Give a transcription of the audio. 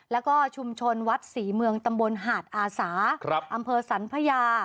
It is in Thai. แล้วก็ชุมชนวัดศรีเมืองตำบลหาดอาสาอำเภอสันพญา